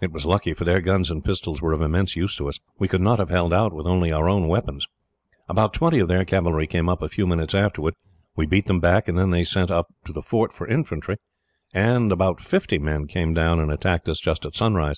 It was lucky, for their guns and pistols were of immense use to us. We could not have held out with only our own weapons. "About twenty of their cavalry came up a few minutes afterwards. We beat them off, and then they sent up to the fort for infantry, and about fifty men came down and attacked us, just at sunrise.